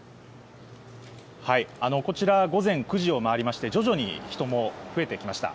こちら、午前９時を回りまして徐々に人も増えてきました。